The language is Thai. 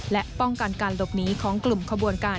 และป้องกันการหลบหนีของกลุ่มขบวนการ